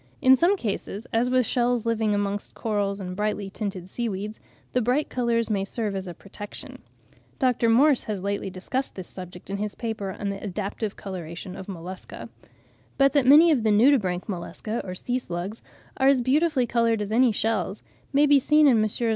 In some cases, as with shells living amongst corals or brightly tinted seaweeds, the bright colours may serve as a protection. (5. Dr. Morse has lately discussed this subject in his paper on the 'Adaptive Coloration of Mollusca,' 'Proc. Boston Soc. of Nat. Hist.' vol. xiv. April 1871.) But that many of the nudibranch Mollusca, or sea slugs, are as beautifully coloured as any shells, may be seen in Messrs.